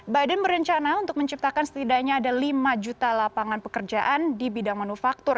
biden berencana untuk menciptakan setidaknya ada lima juta lapangan pekerjaan di bidang manufaktur